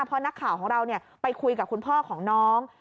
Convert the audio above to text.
เพราะนักข่าวของเราไปคุยกับพ่อนของน้อง